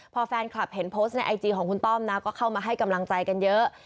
พอแฟนคลับเห็นโพสต์ในไอจีของคุณต้อมนะก็เข้ามาให้กำลังใจกันเยอะ